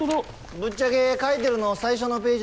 ぶっちゃけ書いてるの最初のページだけです。